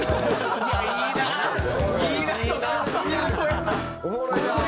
「いいな！いいな！」